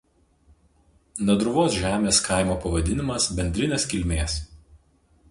Nadruvos žemės kaimo pavadinimas bendrinės kilmės.